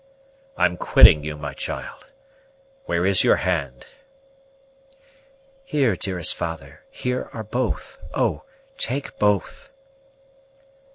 "I'm quitting you, my child; where is your hand?" "Here, dearest father here are both oh, take both!"